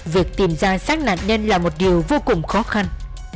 việc tìm ra sát nạn nhân là một điều vô cùng khó khăn